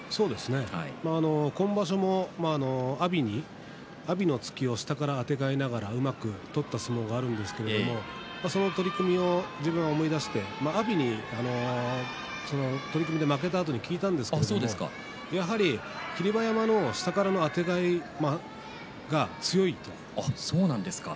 今場所も阿炎の突き押しを下からあてがいながらうまく取った相撲がありますけどその取組を思い出して阿炎に取組で負けたあとに聞いたんですけどやはり霧馬山の方が下からのあてがいが強いと言っていました。